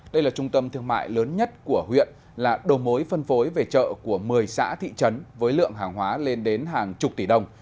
đây là trung tâm thương mại lớn nhất của huyện là đầu mối phân phối về chợ của một mươi xã thị trấn với lượng hàng hóa lên đến hàng chục tỷ đồng